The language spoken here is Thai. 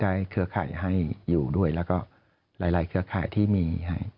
เครือข่ายให้อยู่ด้วยแล้วก็หลายเครือข่ายที่มีให้